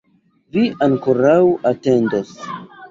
Vi ankoraŭ atendos!